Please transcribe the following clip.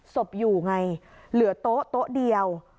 สบอยู่ไงเหลือโต๊ะโต๊ะเดียว